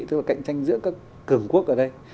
tức là cạnh tranh giữa các cường quốc ở đây